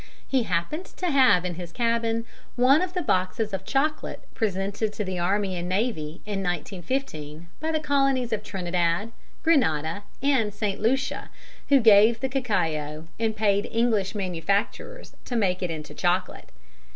He happened to have in his cabin one of the boxes of chocolate presented to the Army and Navy in 1915 by the colonies of Trinidad, Grenada, and St. Lucia, who gave the cacao and paid English manufacturers to make it into chocolate.